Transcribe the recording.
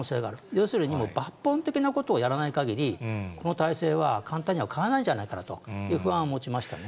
要するに抜本的なことをやらないかぎり、この体制は簡単には変わらないんじゃないかなという不安を持ちましたね。